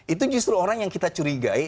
itu justru orang yang kita curigai